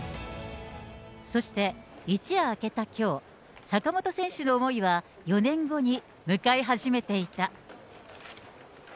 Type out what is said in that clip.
そして、一夜明けたきょう、坂本選手の思いは４年後に向かい始めていた。